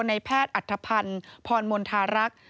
ในแพทย์อัธพันธ์พรมณฑารักษ์